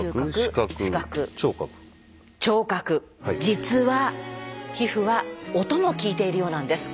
実は皮膚は音も聞いているようなんです。